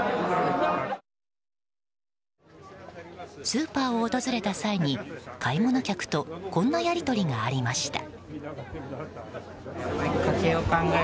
スーパーを訪れた際に買い物客とこんなやり取りがありました。